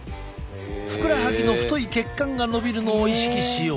ふくらはぎの太い血管が伸びるのを意識しよう。